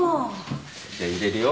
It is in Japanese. じゃ入れるよ。